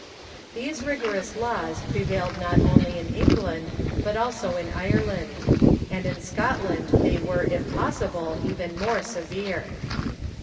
These rigorous laws prevailed not only in England, but also in Ireland ; and in Scotland they were, if possible, even more severe.